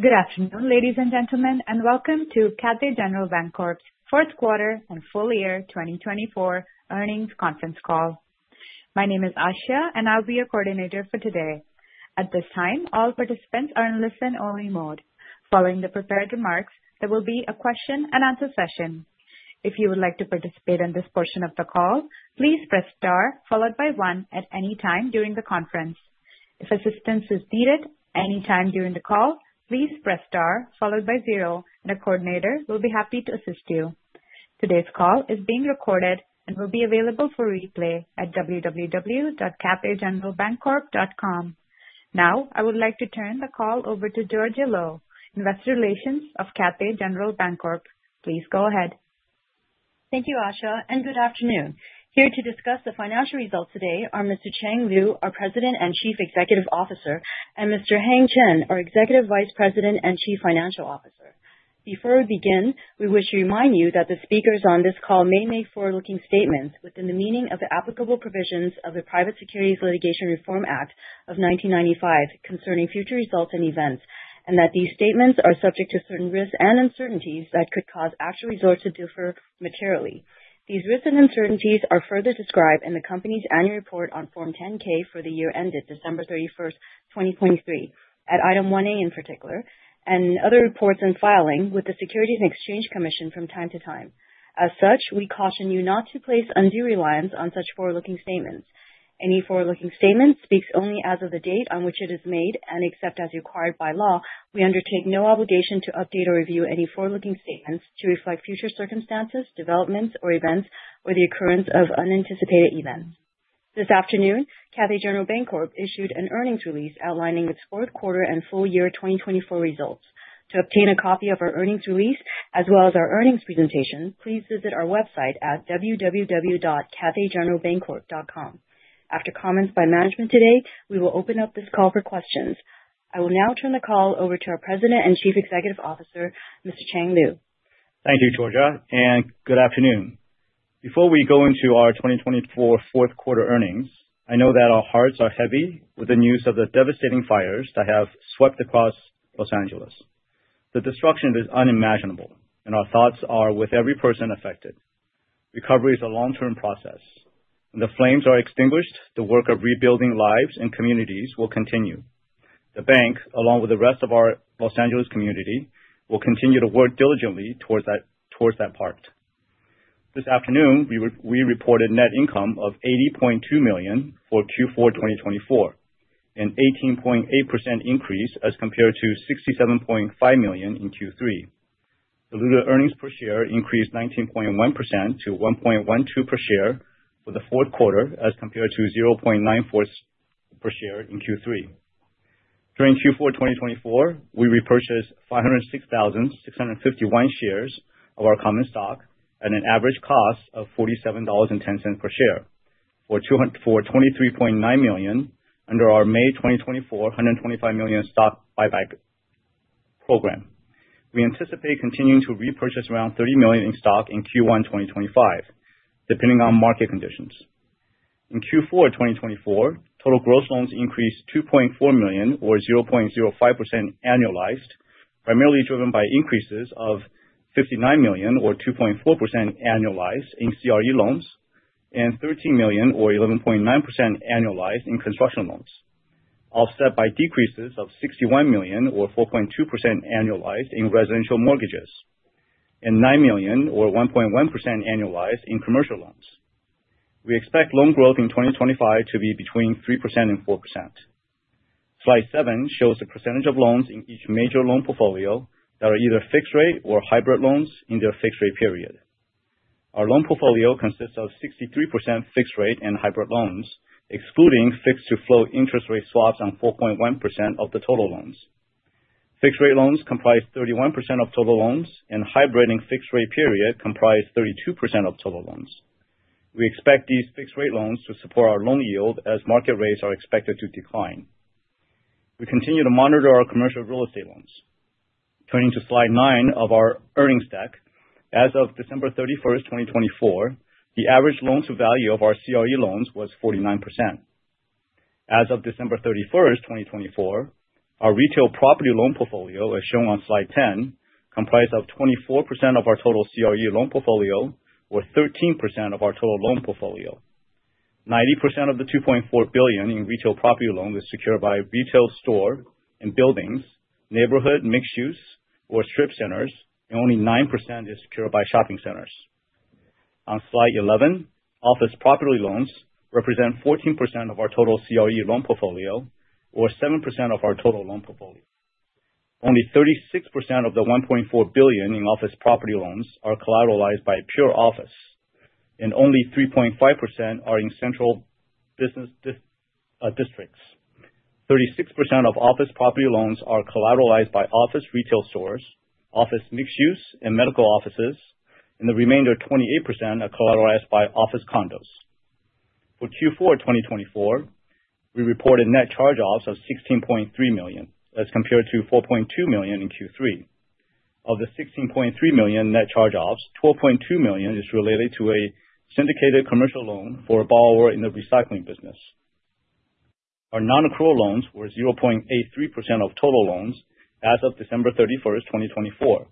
Good afternoon, ladies and gentlemen, and welcome to Cathay General Bancorp's fourth quarter and full year 2024 earnings conference call. My name is Ashia, and I'll be your coordinator for today. At this time, all participants are in listen-only mode. Following the prepared remarks, there will be a question-and-answer session. If you would like to participate in this portion of the call, please press star followed by one at any time during the conference. If assistance is needed anytime during the call, please press star followed by zero, and a coordinator will be happy to assist you. Today's call is being recorded and will be available for replay at www.cathaygeneralbancorp.com. Now, I would like to turn the call over to Georgia Lo, Investor Relations of Cathay General Bancorp. Please go ahead. Thank you, Ashia, and good afternoon. Here to discuss the financial results today are Mr. Chang Liu, our President and Chief Executive Officer, and Mr. Heng Chen, our Executive Vice President and Chief Financial Officer. Before we begin, we wish to remind you that the speakers on this call may make forward-looking statements within the meaning of the applicable provisions of the Private Securities Litigation Reform Act of 1995 concerning future results and events, and that these statements are subject to certain risks and uncertainties that could cause actual results to differ materially. These risks and uncertainties are further described in the company's annual report on Form 10-K for the year ended December 31st, 2023, at item 1A in particular, and other reports in filing with the Securities and Exchange Commission from time to time. As such, we caution you not to place undue reliance on such forward-looking statements. Any forward-looking statement speaks only as of the date on which it is made, and except as required by law, we undertake no obligation to update or review any forward-looking statements to reflect future circumstances, developments, or events, or the occurrence of unanticipated events. This afternoon, Cathay General Bancorp issued an earnings release outlining its fourth quarter and full year 2024 results. To obtain a copy of our earnings release as well as our earnings presentation, please visit our website at www.cathaygeneralbancorp.com. After comments by management today, we will open up this call for questions. I will now turn the call over to our President and Chief Executive Officer, Mr. Chang Liu. Thank you, Georgia, and good afternoon. Before we go into our 2024 fourth quarter earnings, I know that our hearts are heavy with the news of the devastating fires that have swept across Los Angeles. The destruction is unimaginable, and our thoughts are with every person affected. Recovery is a long-term process. When the flames are extinguished, the work of rebuilding lives and communities will continue. The bank, along with the rest of our Los Angeles community, will continue to work diligently towards that part. This afternoon, we reported net income of $80.2 million for Q4 2024, an 18.8% increase as compared to $67.5 million in Q3. Diluted earnings per share increased 19.1% to $1.12 per share for the fourth quarter as compared to $0.94 per share in Q3. During Q4 2024, we repurchased 506,651 shares of our common stock at an average cost of $47.10 per share for $23.9 million under our May 2024 $125 million stock buyback program. We anticipate continuing to repurchase around $30 million in stock in Q1 2025, depending on market conditions. In Q4 2024, total gross loans increased $2.4 million, or 0.05% annualized, primarily driven by increases of $59 million, or 2.4% annualized, in CRE loans, and $13 million, or 11.9% annualized, in construction loans, offset by decreases of $61 million, or 4.2% annualized, in residential mortgages, and $9 million, or 1.1% annualized, in commercial loans. We expect loan growth in 2025 to be between 3% and 4%. Slide 7 shows the percentage of loans in each major loan portfolio that are either fixed-rate or hybrid loans in their fixed-rate period. Our loan portfolio consists of 63% fixed-rate and hybrid loans, excluding fixed-to-floating interest rate swaps on 4.1% of the total loans. Fixed-rate loans comprise 31% of total loans, and hybrid and fixed-rate loans comprise 32% of total loans. We expect these fixed-rate loans to support our loan yield as market rates are expected to decline. We continue to monitor our commercial real estate loans. Turning to slide 9 of our earnings deck, as of December 31st, 2024, the average loan-to-value of our CRE loans was 49%. As of December 31st, 2024, our retail property loan portfolio, as shown on slide 10, comprised 24% of our total CRE loan portfolio or 13% of our total loan portfolio. 90% of the $2.4 billion in retail property loans is secured by retail stores and buildings, neighborhood mixed-use or strip centers, and only 9% is secured by shopping centers. On slide 11, office property loans represent 14% of our total CRE loan portfolio or 7% of our total loan portfolio. Only 36% of the $1.4 billion in office property loans are collateralized by pure office, and only 3.5% are in central business districts. 36% of office property loans are collateralized by office retail stores, office mixed-use, and medical offices, and the remainder 28% are collateralized by office condos. For Q4 2024, we reported net charge-offs of $16.3 million, as compared to $4.2 million in Q3. Of the $16.3 million net charge-offs, $12.2 million is related to a syndicated commercial loan for a borrower in the recycling business. Our non-accrual loans were 0.83% of total loans as of December 31st, 2024,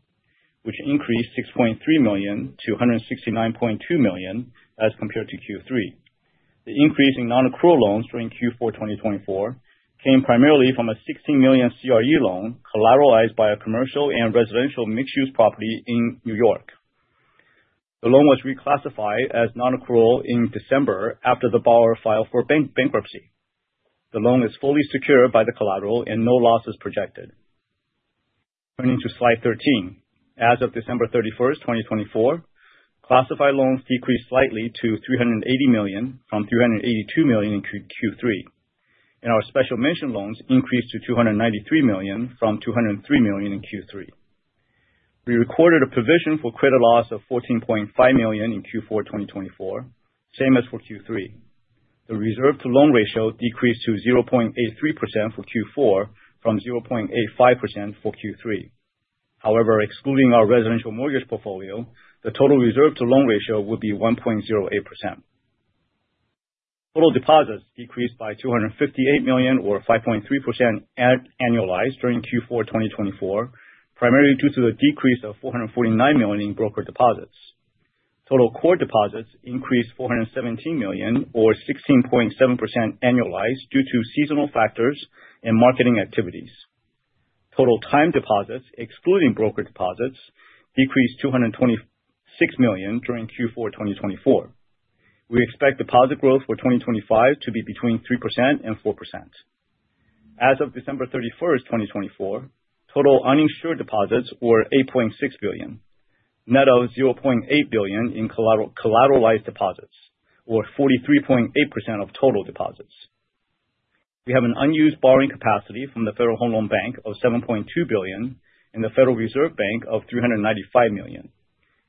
which increased $6.3 million to $169.2 million as compared to Q3. The increase in non-accrual loans during Q4 2024 came primarily from a $16 million CRE loan collateralized by a commercial and residential mixed-use property in New York. The loan was reclassified as non-accrual in December after the borrower filed for bankruptcy. The loan is fully secured by the collateral, and no loss is projected. Turning to slide 13, as of December 31st, 2024, classified loans decreased slightly to $380 million from $382 million in Q3, and our special-mention loans increased to $293 million from $203 million in Q3. We recorded a provision for credit loss of $14.5 million in Q4 2024, same as for Q3. The reserve-to-loan ratio decreased to 0.83% for Q4 from 0.85% for Q3. However, excluding our residential mortgage portfolio, the total reserve-to-loan ratio would be 1.08%. Total deposits decreased by $258 million, or 5.3% annualized, during Q4 2024, primarily due to the decrease of $449 million in brokered deposits. Total core deposits increased $417 million, or 16.7% annualized, due to seasonal factors and marketing activities. Total time deposits, excluding brokered deposits, decreased $226 million during Q4 2024. We expect deposit growth for 2025 to be between 3% and 4%. As of December 31st, 2024, total uninsured deposits were $8.6 billion, net of $0.8 billion in collateralized deposits, or 43.8% of total deposits. We have an unused borrowing capacity from the Federal Home Loan Bank of $7.2 billion and the Federal Reserve Bank of $395 million,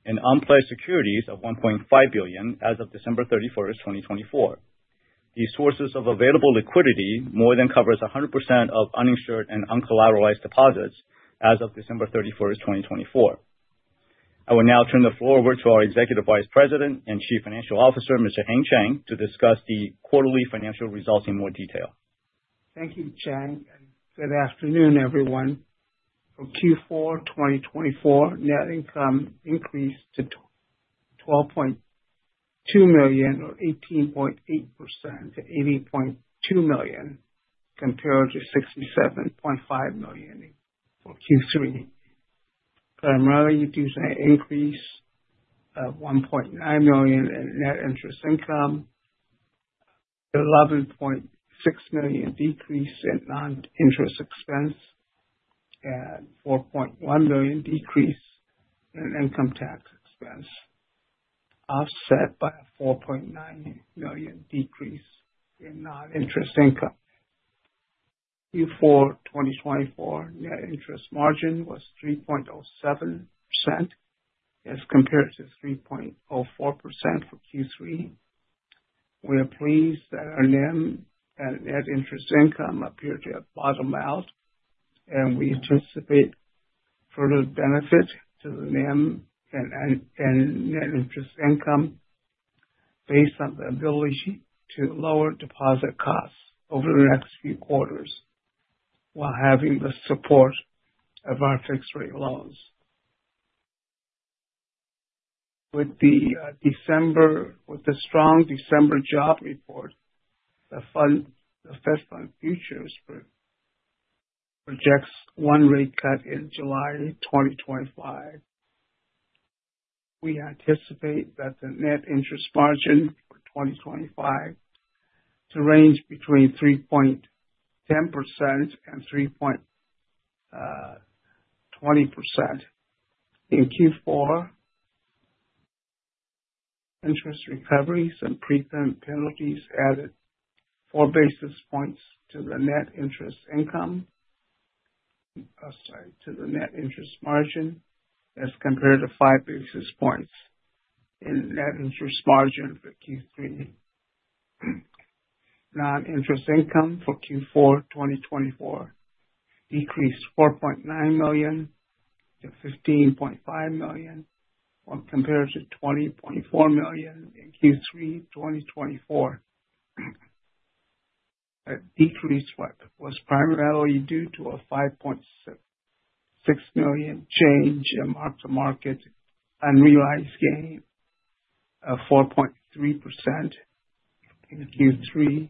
and unpledged securities of $1.5 billion as of December 31st, 2024. The sources of available liquidity more than cover 100% of uninsured and uncollateralized deposits as of December 31st, 2024. I will now turn the floor over to our Executive Vice President and Chief Financial Officer, Mr. Heng Chen, to discuss the quarterly financial results in more detail. Thank you, Chang. Good afternoon, everyone. For Q4 2024, net income increased to $12.2 million, or 18.8% to $80.2 million compared to $67.5 million for Q3, primarily due to an increase of $1.9 million in net interest income, $11.6 million decrease in non-interest expense, and $4.1 million decrease in income tax expense, offset by a $4.9 million decrease in non-interest income. Q4 2024 net interest margin was 3.07% as compared to 3.04% for Q3. We are pleased that our net interest income appeared to have bottomed out, and we anticipate further benefit to the net interest income based on the ability to lower deposit costs over the next few quarters while having the support of our fixed-rate loans. With the strong December job report, the Fed Fund Futures projects one rate cut in July 2025. We anticipate that the net interest margin for 2025 to range between 3.10% and 3.20% in Q4. Interest recoveries and prepayment penalties added four basis points to the net interest income to the net interest margin as compared to five basis points in net interest margin for Q3. Non-interest income for Q4 2024 decreased $4.9 million to $15.5 million when compared to $20.4 million in Q3 2024. That decrease was primarily due to a $5.6 million change in mark-to-market unrealized gain of 4.3% in Q3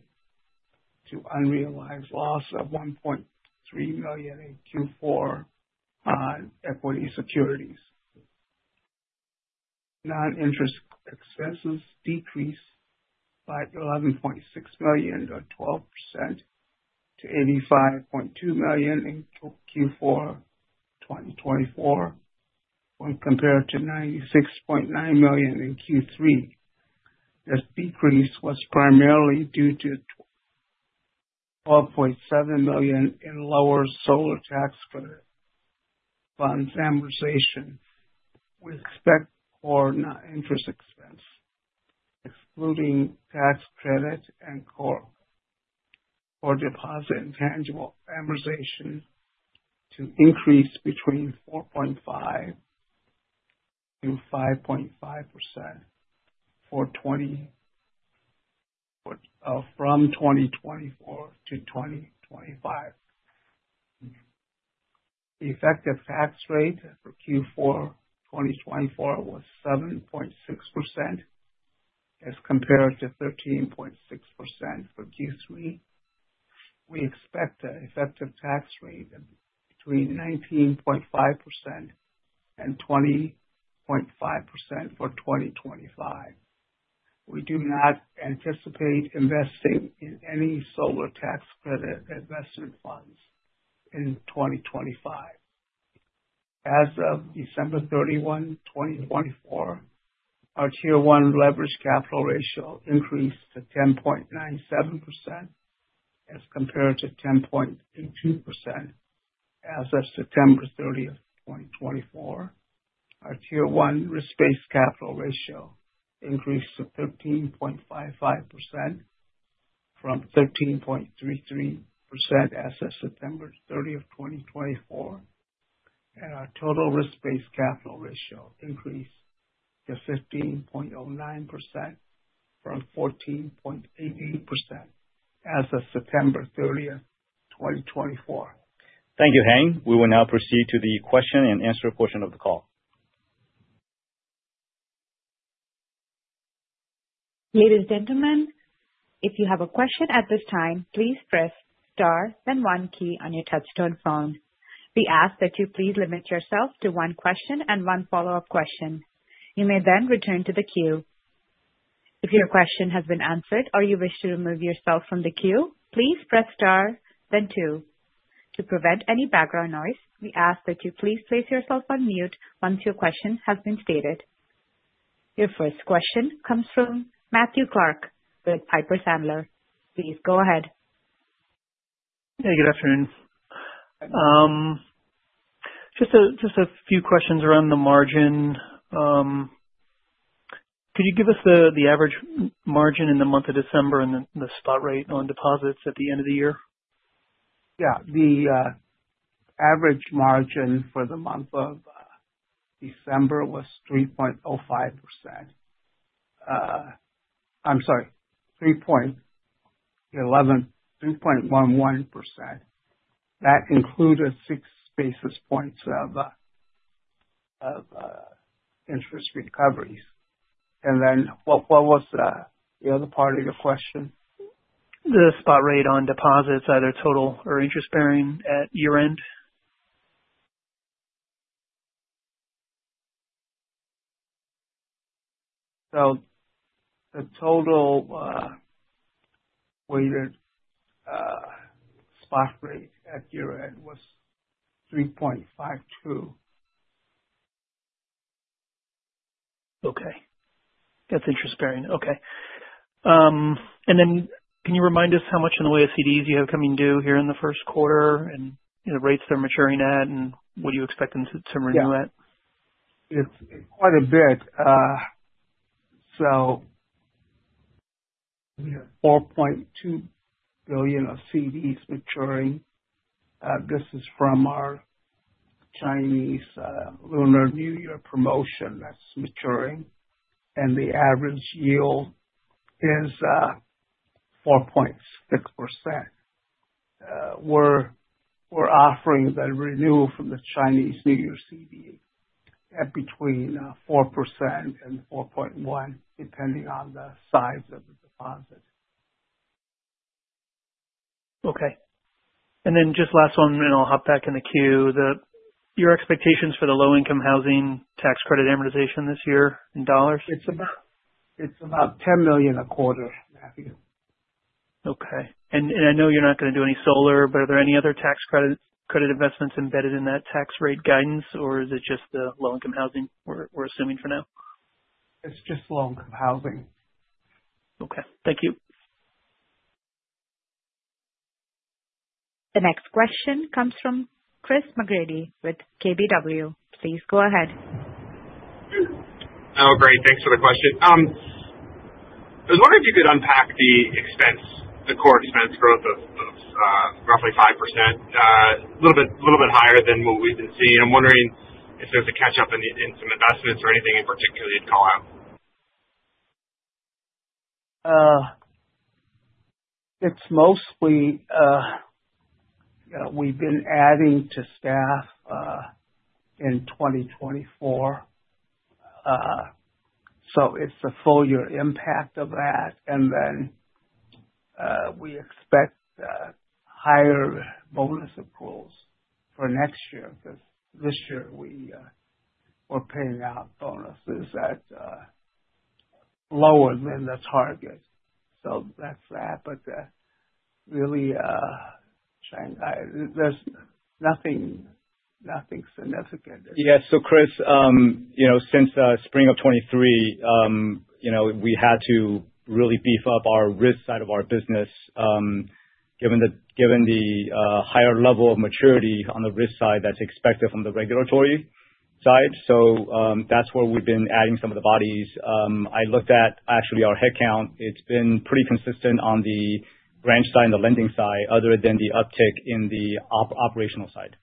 to unrealized loss of $1.3 million in Q4 on equity securities. Non-interest expenses decreased by $11.6 million, or 12%, to $85.2 million in Q4 2024 when compared to $96.9 million in Q3. This decrease was primarily due to $12.7 million in lower solar tax credit fund amortization. We expect core non-interest expense, excluding tax credit and core deposit intangible amortization, to increase between 4.5%-5.5% from 2024-2025. The effective tax rate for Q4 2024 was 7.6% as compared to 13.6% for Q3. We expect an effective tax rate between 19.5% and 20.5% for 2025. We do not anticipate investing in any solar tax credit investment funds in 2025. As of December 31, 2024, our Tier 1 leverage capital ratio increased to 10.97% as compared to 10.2% as of September 30, 2024. Our Tier 1 risk-based capital ratio increased to 13.55% from 13.33% as of September 30, 2024, and our total risk-based capital ratio increased to 15.09% from 14.88% as of September 30, 2024. Thank you, Heng. We will now proceed to the question and answer portion of the call. Ladies and gentlemen, if you have a question at this time, please press star then one key on your touch-tone phone. We ask that you please limit yourself to one question and one follow-up question. You may then return to the queue. If your question has been answered or you wish to remove yourself from the queue, please press star then two. To prevent any background noise, we ask that you please place yourself on mute once your question has been stated. Your first question comes from Matthew Clark with Piper Sandler. Please go ahead. Hey, good afternoon. Just a few questions around the margin. Could you give us the average margin in the month of December and the spot rate on deposits at the end of the year? Yeah. The average margin for the month of December was 3.05%. I'm sorry, 3.11%. That included six basis points of interest recoveries. And then what was the other part of your question? The spot rate on deposits, either total or interest-bearing, at year-end. The total spot rate at year-end was 3.52. Okay. That's interest-bearing. Okay. And then can you remind us how much in the way of CDs you have coming due here in the first quarter and the rates they're maturing at, and what do you expect them to renew at? Yeah. It's quite a bit. So we have $4.2 billion of CDs maturing. This is from our Chinese Lunar New Year promotion that's maturing, and the average yield is 4.6%. We're offering the renewal from the Chinese New Year CD at between 4% and 4.1%, depending on the size of the deposit. Okay. And then just last one, and I'll hop back in the queue. Your expectations for the low-income housing tax credit amortization this year in dollars? It's about $10 million a quarter, Matthew. Okay, and I know you're not going to do any solar, but are there any other tax credit investments embedded in that tax rate guidance, or is it just the low-income housing we're assuming for now? It's just low-income housing. Okay. Thank you. The next question comes from Chris McGratty with KBW. Please go ahead. Oh, great. Thanks for the question. I was wondering if you could unpack the core expense growth of roughly 5%, a little bit higher than what we've been seeing. I'm wondering if there's a catch-up in some investments or anything in particular you'd call out. It's mostly we've been adding to staff in 2024, so it's the full-year impact of that. And then we expect higher bonus accruals for next year because this year we're paying out bonuses that are lower than the target. So that's that. But really, Chang, there's nothing significant. Yeah. So, Chris, since spring of 2023, we had to really beef up our risk side of our business given the higher level of maturity on the risk side that's expected from the regulatory side. So that's where we've been adding some of the bodies. I looked at, actually, our headcount. It's been pretty consistent on the branch side and the lending side, other than the uptick in the operational side.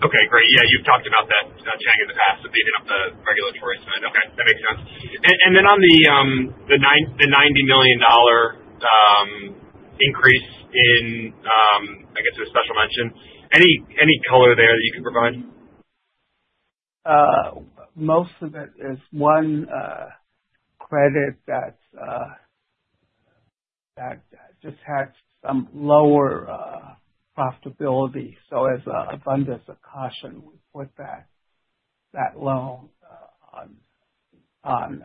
Okay. Great. Yeah, you've talked about that, Chang, in the past, of beefing up the regulatory side. Okay. That makes sense. And then on the $90 million increase in, I guess, a special mention, any color there that you could provide? Most of it is one credit that just had some lower profitability. So as a caution, we put that loan on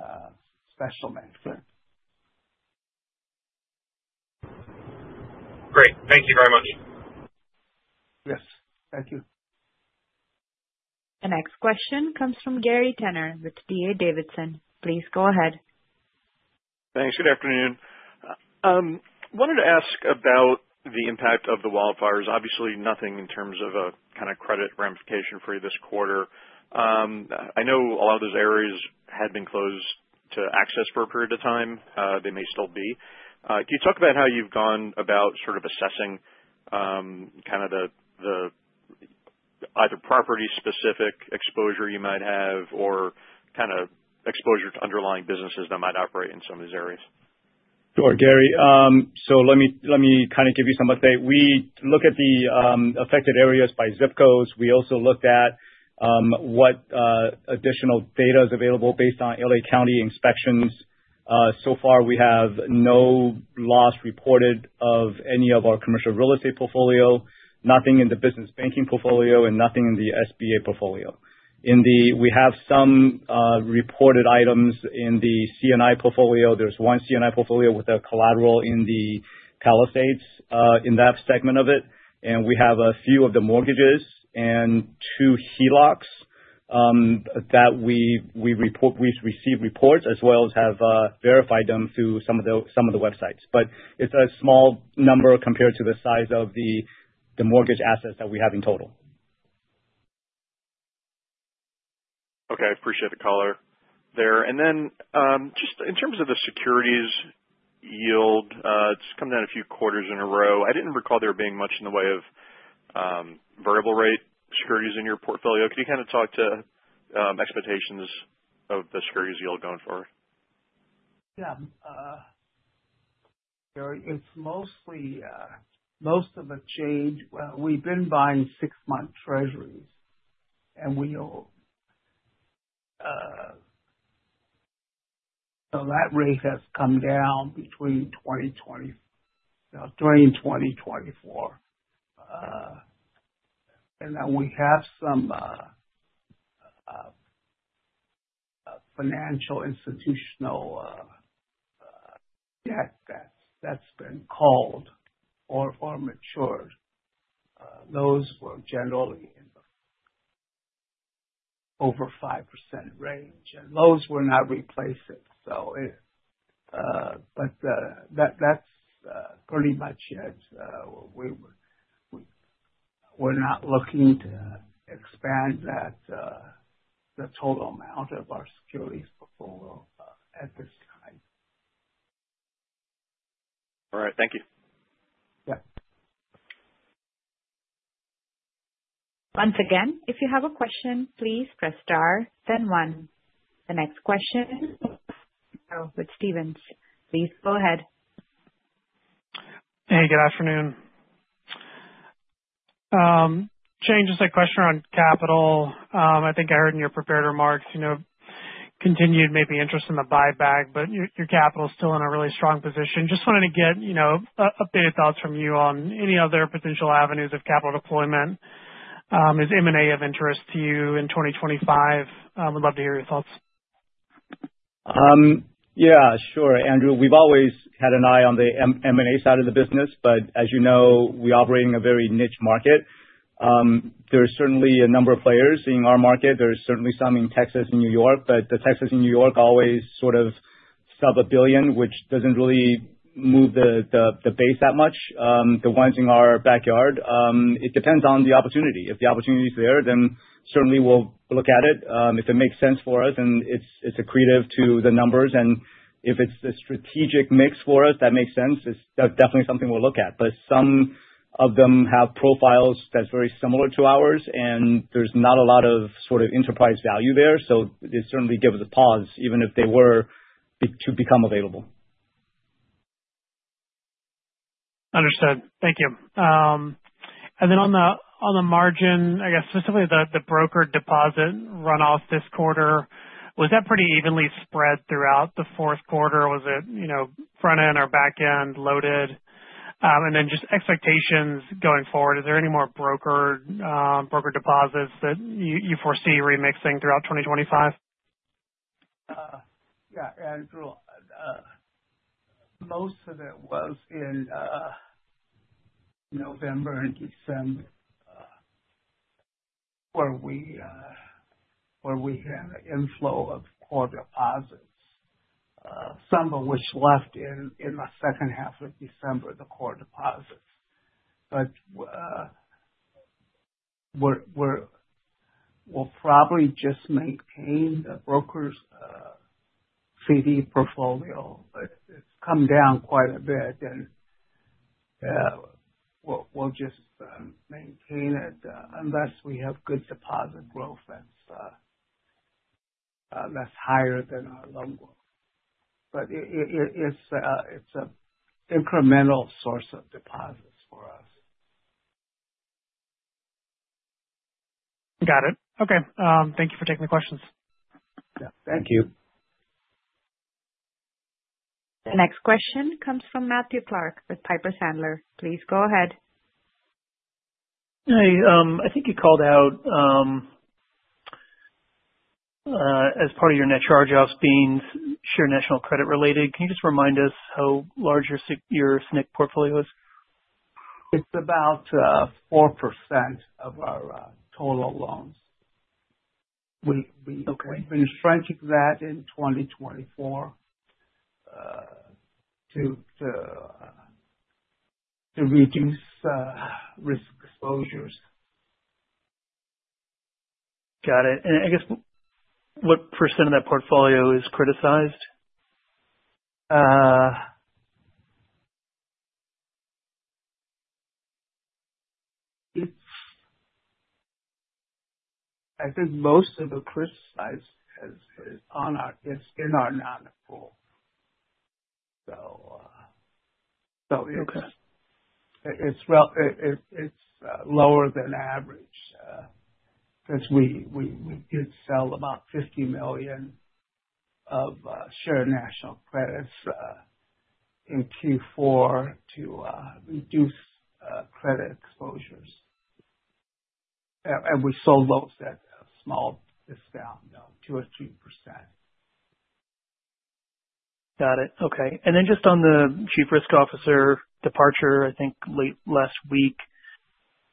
special mention. Great. Thank you very much. Yes. Thank you. The next question comes from Gary Tenner with D.A. Davidson. Please go ahead. Thanks. Good afternoon. I wanted to ask about the impact of the wildfires. Obviously, nothing in terms of a kind of credit ramification for you this quarter. I know a lot of those areas had been closed to access for a period of time. They may still be. Can you talk about how you've gone about sort of assessing kind of the either property-specific exposure you might have or kind of exposure to underlying businesses that might operate in some of these areas? Sure, Gary. So let me kind of give you some update. We look at the affected areas by ZIP codes. We also looked at what additional data is available based on LA County inspections. So far, we have no loss reported of any of our commercial real estate portfolio, nothing in the business banking portfolio, and nothing in the SBA portfolio. We have some reported items in the C&I portfolio. There's one C&I portfolio with a collateral in the Palisades in that segment of it. And we have a few of the mortgages and two HELOCs that we've received reports as well as have verified them through some of the websites. But it's a small number compared to the size of the mortgage assets that we have in total. Okay. I appreciate the color there, and then just in terms of the securities yield, it's come down a few quarters in a row. I didn't recall there being much in the way of variable-rate securities in your portfolio. Could you kind of talk to expectations of the securities yield going forward? Yeah. Gary, it's most of the change. Well, we've been buying six-month Treasuries, and so that rate has come down in 2024, and then we have some financial institution debt that's been called or matured. Those were generally in the over 5% range, and those were not replaced, but that's pretty much it. We're not looking to expand the total amount of our securities portfolio at this time. All right. Thank you. Yep. Once again, if you have a question, please press star then one. The next question is with Stephens. Please go ahead. Hey, good afternoon. Chang, just a question on capital. I think I heard in your prepared remarks continued maybe interest in the buyback, but your capital is still in a really strong position. Just wanted to get updated thoughts from you on any other potential avenues of capital deployment. Is M&A of interest to you in 2025? Would love to hear your thoughts. Yeah. Sure, Andrew. We've always had an eye on the M&A side of the business, but as you know, we operate in a very niche market. There's certainly a number of players in our market. There's certainly some in Texas and New York, but the Texas and New York always sort of sub a billion, which doesn't really move the base that much. The ones in our backyard, it depends on the opportunity. If the opportunity is there, then certainly we'll look at it. If it makes sense for us and it's accretive to the numbers, and if it's a strategic mix for us that makes sense, that's definitely something we'll look at. But some of them have profiles that's very similar to ours, and there's not a lot of sort of enterprise value there. So it certainly gives us a pause, even if they were to become available. Understood. Thank you. And then on the margin, I guess specifically the broker deposit runoff this quarter, was that pretty evenly spread throughout the fourth quarter? Was it front-end or back-end loaded? And then just expectations going forward, is there any more brokered deposits that you foresee remixing throughout 2025? Yeah. Andrew, most of it was in November and December where we had an inflow of core deposits, some of which left in the second half of December, the core deposits. But we'll probably just maintain the brokered CD portfolio. It's come down quite a bit, and we'll just maintain it unless we have good deposit growth that's higher than our loan growth. But it's an incremental source of deposits for us. Got it. Okay. Thank you for taking the questions. Yeah. Thank you. The next question comes from Matthew Clark with Piper Sandler. Please go ahead. Hey, I think you called out as part of your net charge-offs being Shared National Credits related. Can you just remind us how large your SNC portfolio is? It's about 4% of our total loans. We've been shrinking that in 2024 to reduce risk exposures. Got it. And I guess what % of that portfolio is criticized? I think most of the classified is in our non-accrual. So it's lower than average because we did sell about $50 million of Shared National Credits in Q4 to reduce credit exposures, and we sold those at a small discount, 2% or 3%. Got it. Okay. And then just on the Chief Risk Officer departure, I think late last week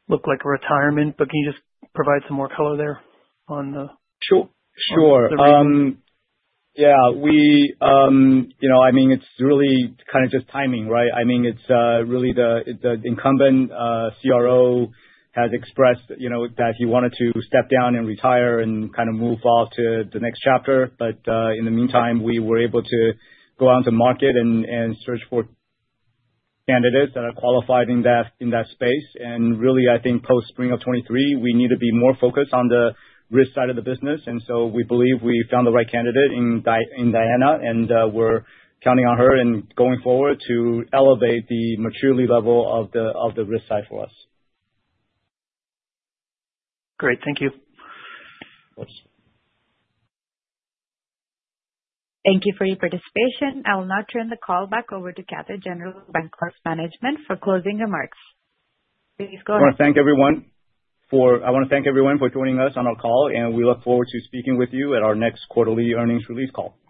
looked like a retirement, but can you just provide some more color there on the? Sure. Yeah. I mean, it's really kind of just timing, right? I mean, it's really the incumbent CRO has expressed that he wanted to step down and retire and kind of move off to the next chapter. But in the meantime, we were able to go out into the market and search for candidates that are qualified in that space. And really, I think post-spring of 2023, we need to be more focused on the risk side of the business. And so we believe we found the right candidate in Diana, and we're counting on her and going forward to elevate the maturity level of the risk side for us. Great. Thank you. Thank you for your participation. I will now turn the call back over to Cathay General Bancorp Management for closing remarks. Please go ahead. I want to thank everyone for joining us on our call, and we look forward to speaking with you at our next quarterly earnings release call.